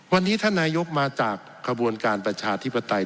วันนี้ท่านนายกมาจากขบวนการประชาธิปไตย